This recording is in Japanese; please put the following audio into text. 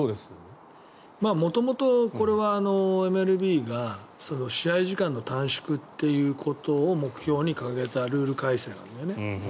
元々、ＭＬＢが試合時間の短縮ということを目標に掲げたルール改正なんだよね。